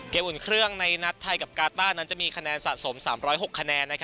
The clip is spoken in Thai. อุ่นเครื่องในนัดไทยกับกาต้านั้นจะมีคะแนนสะสม๓๐๖คะแนน